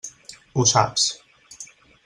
Ho saps.